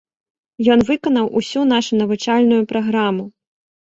Ён выканаў усю нашу навучальную праграму.